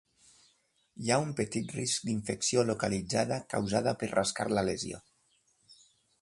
Hi ha un petit risc d'infecció localitzada causada per rascar la lesió.